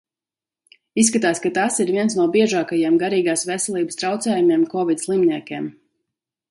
Izskatās, ka tas ir viens no biežākajiem garīgās veselības traucējumiem Kovid slimniekiem.